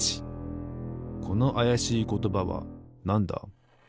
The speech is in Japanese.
このあやしいことばはなんだ？